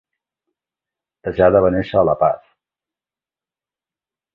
Tejada va néixer a La Paz.